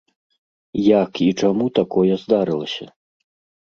Як і чаму такое здарылася?